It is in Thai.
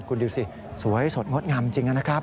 คุณดูสิสวยสดงดงามจริงนะครับ